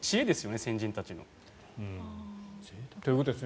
先人たちの。ということですね。